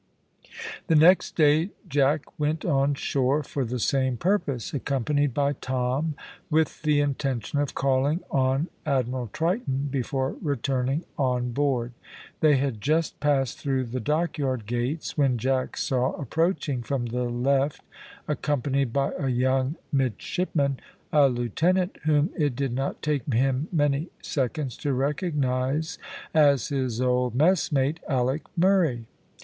The next day Jack went on shore for the same purpose, accompanied by Tom, with the intention of calling on Admiral Triton before returning on board. They had just passed through the Dockyard gates when Jack saw approaching from the left, accompanied by a young midshipman, a lieutenant, whom it did not take him many seconds to recognise as his old messmate, Alick Murray.